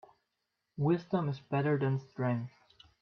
Wisdom is better than strength.